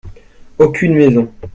Aucune maison.